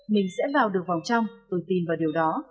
mình sẽ vào được vào trong tôi tin vào điều đó